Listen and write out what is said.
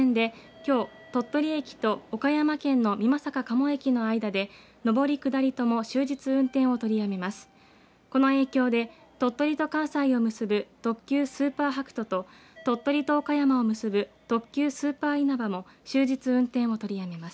この影響で、鳥取と関西を結ぶ特急スーパーはくとと鳥取と岡山を結ぶ特急スーパーいなばも終日、運転を取りやめます。